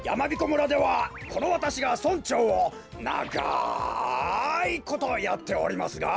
村ではこのわたしが村長をながいことやっておりますが。